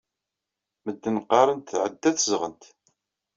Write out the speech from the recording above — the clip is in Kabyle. Medden qqaren tɛedda tezɣent.